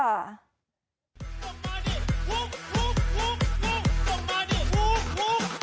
หุบหุบหุบ